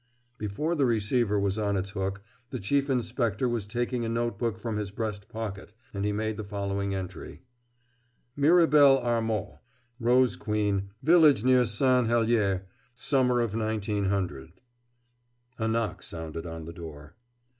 Before the receiver was on its hook, the Chief Inspector was taking a notebook from his breast pocket, and he made the following entry: Mirabel Armaud, Rose Queen, village near St. Heliers, summer of 1900. A knock sounded on the door.